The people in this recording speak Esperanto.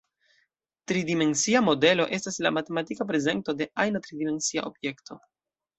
Tridimensia modelo estas la matematika prezento de ajna tridimensia objekto.